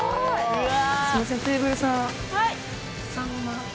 「うわ！」